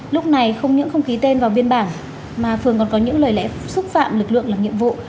lúc này không những không ký tên vào biên bản mà phường còn có những lời lẽ xúc phạm lực lượng làm nhiệm vụ